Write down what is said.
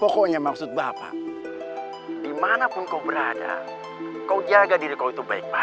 kak sam mau kan bantu aku